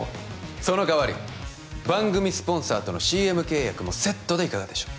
そのかわり番組スポンサーとのＣＭ契約もセットでいかがでしょう？